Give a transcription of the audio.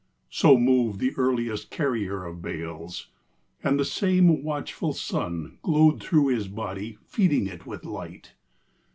So moved the earliest carrier of bales, And the same watchful sun Glowed through his body feeding it with light.